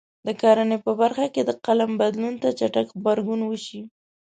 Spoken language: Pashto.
د کرنې په برخه کې د اقلیم بدلون ته چټک غبرګون وشي.